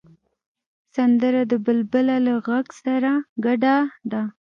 سندره د بلبله له غږ سره ګډه ده